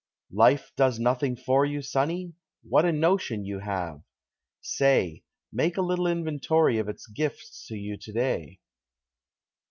Life does nothing for you, sonny? What a notion you have! Say, Make a little inventory of its gifts to you to day.